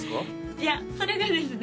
いやそれがですね